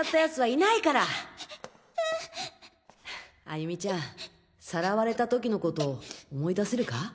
歩美ちゃんさらわれた時のこと思い出せるか？